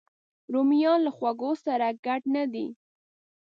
رومیان له خوږو سره ګډ نه دي